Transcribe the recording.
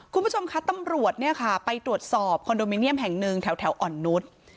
คุณผู้ชมคะตำรวจเนี่ยค่ะไปตรวจสอบคอนโดมิเนียมแห่งหนึ่งแถวอ่อนนุษย์